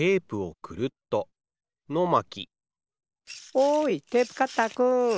おいテープカッターくん。